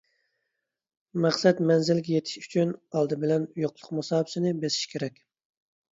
مەقسەت مەنزىلىگە يېتىش ئۈچۈن، ئالدى بىلەن يوقلۇق مۇساپىسىنى بېسىش كېرەك.